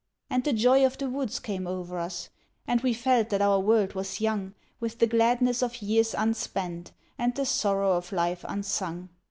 And the joy of the woods came o'er us, and we felt that our world was young With the gladness of years unspent and the sorrow of life unsung.